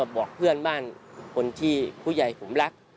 บอกเพื่อนบ้านคนที่ผู้ใหญ่ผมรัก